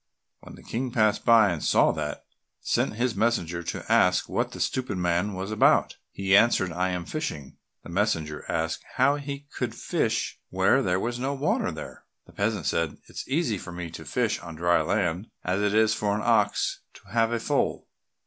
When the King passed by, and saw that, he sent his messenger to ask what the stupid man was about? He answered, "I am fishing." The messenger asked how he could fish when there was no water there? The peasant said, "It is as easy for me to fish on dry land as it is for an ox to have a foal."